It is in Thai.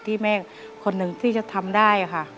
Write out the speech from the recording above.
ที่แม่คนหนึ่งที่จะทำได้ค่ะ